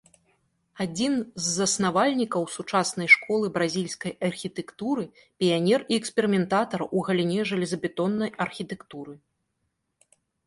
Адзін з заснавальнікаў сучаснай школы бразільскай архітэктуры, піянер і эксперыментатар у галіне жалезабетоннай архітэктуры.